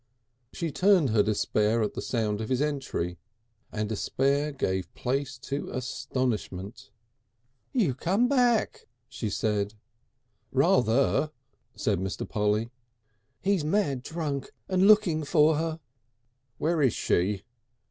She turned her despair at the sound of his entry, and despair gave place to astonishment. "You come back!" she said. "Ra ther," said Mr. Polly. "He's he's mad drunk and looking for her." "Where is she?"